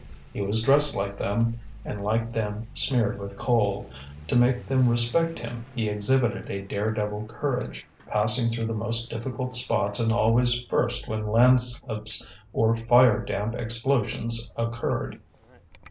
He was dressed like them, and like them smeared with coal; to make them respect him he exhibited a dare devil courage, passing through the most difficult spots and always first when landslips or fire damp explosions occurred.